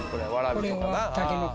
これはタケノコ。